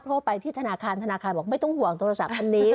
เพราะว่าไปที่ธนาคารธนาคารบอกไม่ต้องห่วงโทรศัพท์คันนี้